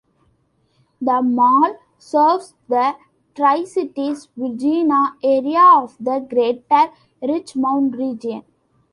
The mall serves the Tri-Cities, Virginia area of the Greater Richmond Region.